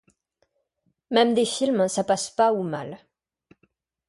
Même des films ça passe pas, ou mal.